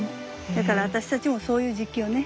だから私たちもそういう時期よね。